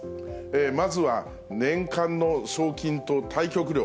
まずは年間の賞金と対局料。